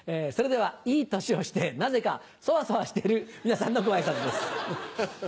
それではいい年をしてなぜかそわそわしてる皆さんのご挨拶です。